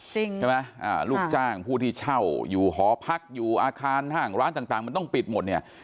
ใช่ไหมลูกจ้างผู้ที่เช่าอยู่หอพักอยู่อาคารห้างร้านต่างมันต้องปิดหมดเนี่ย